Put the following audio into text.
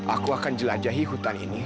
aku akan jelajahi hutan ini